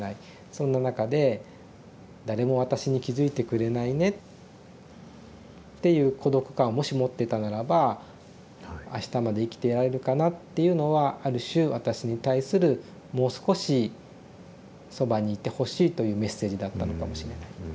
そんな中で「誰も私に気付いてくれないね」っていう孤独感をもし持ってたならば「あしたまで生きていられるかな」っていうのはある種私に対する「もう少しそばにいてほしい」というメッセージだったのかもしれない。